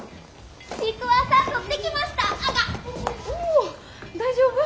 お大丈夫？